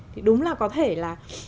thì đúng là có thể là